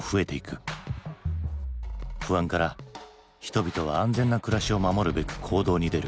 不安から人々は安全な暮らしを守るべく行動に出る。